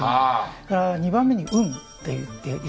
それから２番目に「運」って言っています。